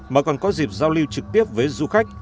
mà còn có dịp giao lưu trực tiếp với du khách